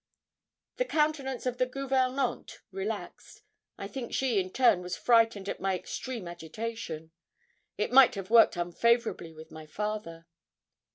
The countenance of the gouvernante relaxed. I think she in turn was frightened at my extreme agitation. It might have worked unfavourably with my father.